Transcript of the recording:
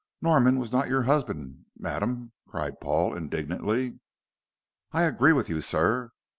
"Norman was not your husband, madam," cried Paul, indignantly. "I agree with you, sir.